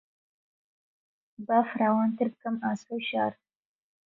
با فراوانتر بکەم ئاسۆی شێعر